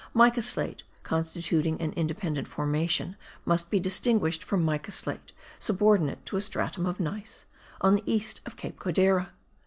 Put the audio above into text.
Mica slate constituting an independent formation must be distinguished from mica slate subordinate to a stratum of gneiss, on the east of Cape Codera.